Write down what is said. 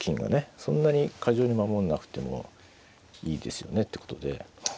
そんなに過剰に守んなくてもいいですよねってことで。